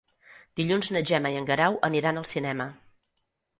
Dilluns na Gemma i en Guerau aniran al cinema.